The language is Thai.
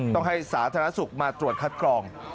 ต้องให้สาธารณสุขมาตรวจคัดกรอง